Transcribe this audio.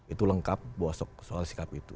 itu lengkap soal sikap itu